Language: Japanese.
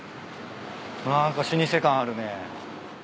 何か老舗感あるね。